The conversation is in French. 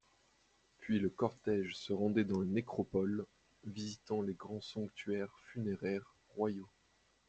Puis le cortège se rendait dans les nécropoles, visitant les grands sanctuaires funéraires royaux.